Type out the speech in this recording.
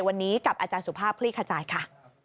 วันนี้กับอาจารย์สุภาพคลี่ขจายค่ะ